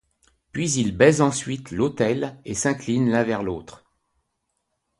Puis ils baisent ensuite l'autel et s'inclinent l'un vers l'autre.